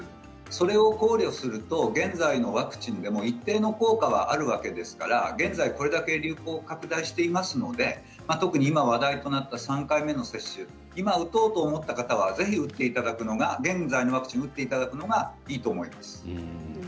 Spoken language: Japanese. それを考慮すると現在のワクチンでも一定の効果はあるわけですから現在これだけ流行が拡大していますので今、話題となった３回目の接種今打とうと思った方はぜひ打っていただくのが現在のワクチンを打っていただくのがいいです。